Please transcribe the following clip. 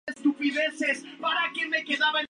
Constitución, Av.